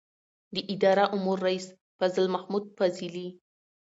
د اداره امور رئیس فضل محمود فضلي